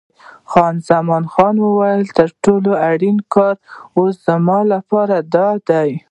خان زمان وویل: تر ټولو اړین کار اوس زما لپاره دادی.